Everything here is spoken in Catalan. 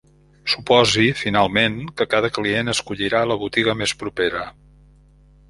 Suposi, finalment, que cada client escollirà la botiga més propera.